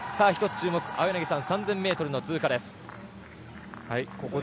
１つ注目、３０００ｍの通過です。